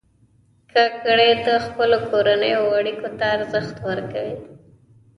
کاکړي د خپلو کورنیو اړیکو ته ارزښت ورکوي.